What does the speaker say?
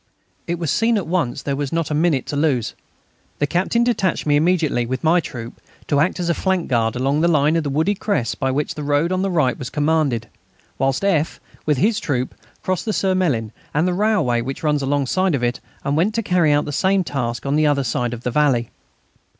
It was seen at once that there was not a minute to lose. The Captain detached me immediately, with my troop, to act as a flank guard along the line of wooded crests by which the road on the right was commanded, whilst F., with his troop, crossed the Surmelin and the railway which runs alongside of it, and went to carry out the same task on the other side of the valley.